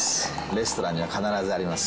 レストランには必ずあります。